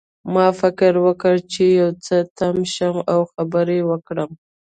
ما فکر وکړ چې یو څه تم شم او خبرې وکړم